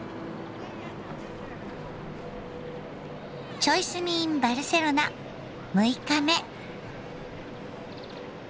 「チョイ住みｉｎバルセロナ」６日目。